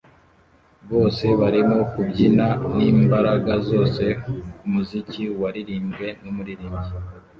Bose barimo kubyina n'imbaraga zose kumuziki waririmbwe numuririmbyi